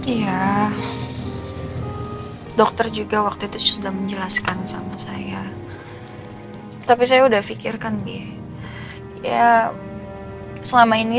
iya dokter juga waktu itu sudah menjelaskan sama saya tapi saya udah pikirkan ya selama ini